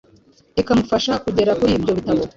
ikamufasha kugera kuri ibyo bitabo.